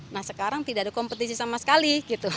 nah sekarang tidak ada kompetisi sama sekali gitu